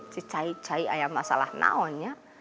si cai cai ayam masalah naonya